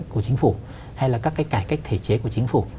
của chính phủ hay là các cái cải cách thể chế của chính phủ